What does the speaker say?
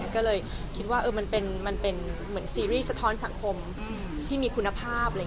ก็เลยคิดว่ามันเป็นเหมือนซีรีส์สะท้อนสังคมที่มีคุณภาพ